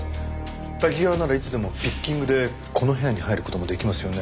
瀧川ならいつでもピッキングでこの部屋に入る事も出来ますよね。